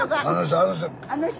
あの人？